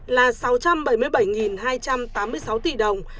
là sáu trăm bảy mươi bảy hai trăm tám mươi sáu tỷ đồng